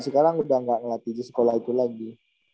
sekarang udah gak ngelatih di sekolah itu lagi